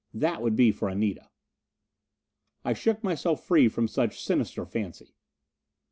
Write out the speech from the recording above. That would be for Anita. I shook myself free from such sinister fancy.